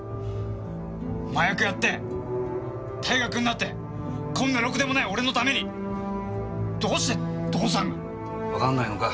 麻薬やって退学になってこんなろくでもない俺のためにどうして父さんが。わかんないのか？